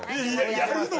やるの？